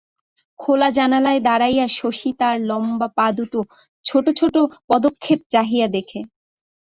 খোলা জানালায় দাড়াইয়া শশী তার লম্বা পা দুটির ছোট ছোট পদক্ষেপ চাহিয়া দেখে।